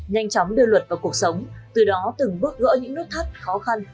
nhanh chóng đưa luật vào cuộc sống từ đó từng bước gỡ những nút thắt khó khăn